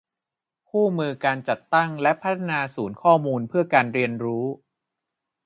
คู่มือการจัดตั้งและพัฒนาศูนย์ข้อมูลเพื่อการเรียนรู้